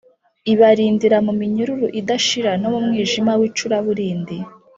ibarindira mu minyururu idashira no mu mwijima w’icuraburindi